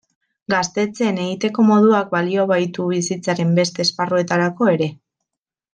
Gaztetxeen egiteko moduak balio baitu bizitzaren beste esparruetarako ere.